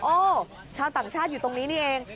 ชาวต่างชาติอยู่ตรงนี้นี่เอง